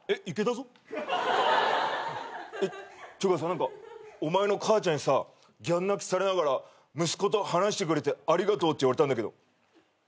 何かお前の母ちゃんにさギャン泣きされながら息子と話してくれてありがとうって言われたんだけど。